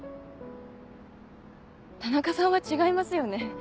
田中さんは違いますよね。